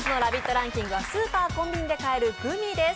ランキングはスーパー、コンビニで買えるグミです。